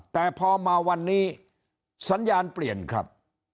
แต่พอมาวันนี้สัญญาณเปลี่ยนครับ